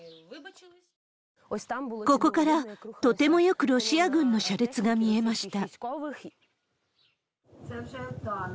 ここからとてもよくロシア軍の車列が見えました。